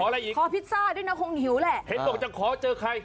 เห็นบอกจะขอเจอใคร